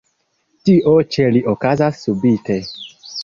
Tio ĉe li okazas subite.